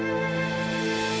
saya udah nggak peduli